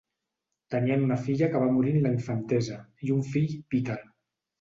Tenien una filla que va morir en la infantesa, i un fill, Peter.